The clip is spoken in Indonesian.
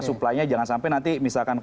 suplainya jangan sampai nanti misalkan